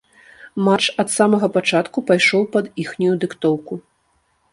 Матч ад самага пачатку пайшоў пад іхнюю дыктоўку.